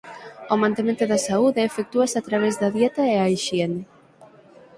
O mantemento da saúde efectúase a través da dieta e a hixiene.